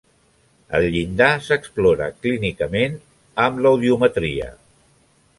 El llindar s'explora, clínicament, amb l'audiometria.